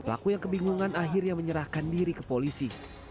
pelaku yang kebingungan akhirnya menyerahkan diri ke polisi